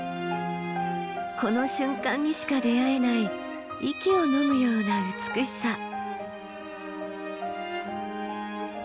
この瞬間にしか出会えない息をのむような美しさ。